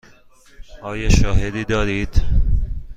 آیا شاهدی دارید؟